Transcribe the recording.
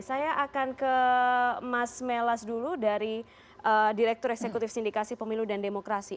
saya akan ke mas melas dulu dari direktur eksekutif sindikasi pemilu dan demokrasi